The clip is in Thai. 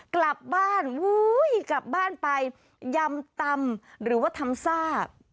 กลับบ้านอุ๊ยกลับบ้านไปยำตำหรือว่าทำซ่า